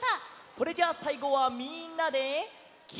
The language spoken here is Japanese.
それじゃあさいごはみんなで「きんらきら」。